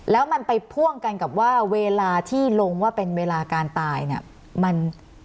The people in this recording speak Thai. แล้วมันไปพ่วงกันกับว่าเวลาที่ลงว่าเป็นเวลาการตายเนี่ยมัน